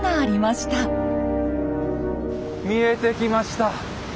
見えてきました。